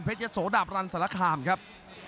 เพชรยะโสดับรันสละขามครับ